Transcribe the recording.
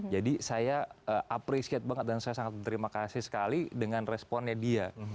jadi saya appreciate banget dan saya sangat berterima kasih sekali dengan responnya dia